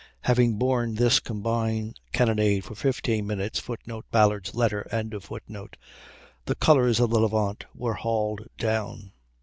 Having borne this combined cannonade for 15 minutes, [Footnote: Ballard's letter.] the colors of the Levant were hauled down.